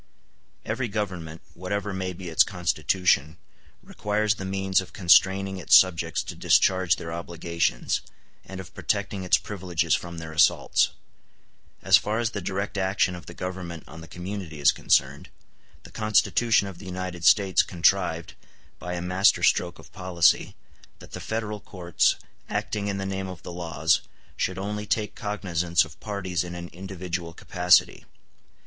Every government, whatever may be its constitution, requires the means of constraining its subjects to discharge their obligations, and of protecting its privileges from their assaults. As far as the direct action of the Government on the community is concerned, the Constitution of the United States contrived, by a master stroke of policy, that the federal courts, acting in the name of the laws, should only take cognizance of parties in an individual capacity.